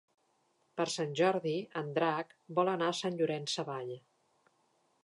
Per Sant Jordi en Drac vol anar a Sant Llorenç Savall.